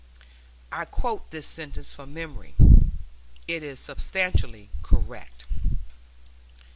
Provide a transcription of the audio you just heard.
[*] I quote this sentence from memory; it is substantially correct.